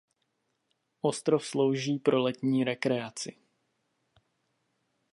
Ostrov slouží pro letní rekreaci.